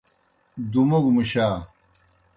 دُوموگوْ مُشا۔